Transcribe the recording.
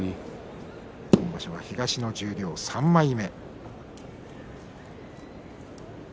今場所は東の十両３枚目。